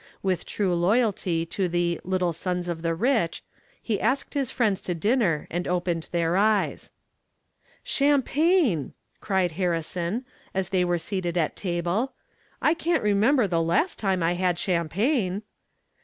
With true loyalty to the "Little Sons of the Rich," he asked his friends to dinner and opened their eyes. "Champagne!" cried Harrison, as they were seated at table. "I can't remember the last time I had champagne."